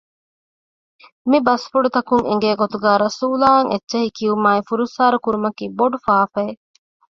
މި ބަސްފުޅުތަކުން އެނގޭ ގޮތުގައި ރަސޫލާއަށް އެއްޗެހި ކިޔުމާއި ފުރައްސާރަ ކުރުމަކީ ބޮޑު ފާފައެއް